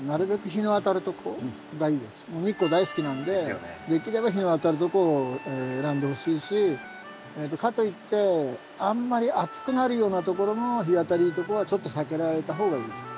日光大好きなんでできれば日の当たるとこを選んでほしいしかといってあんまり暑くなるようなところの日当たりとかはちょっと避けられた方がいいです。